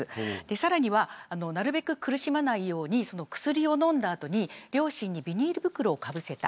さらにはなるべく苦しまないように薬を飲んだ後に両親にビニール袋をかぶせた。